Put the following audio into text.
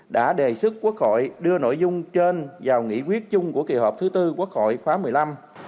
đã đề xuất quốc hội đưa nội dung trên vào nghị quyết chung của kỳ họp thứ tư quốc hội khóa một mươi năm